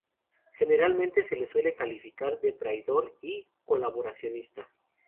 Generalmente se le suele calificar de traidor y colaboracionista.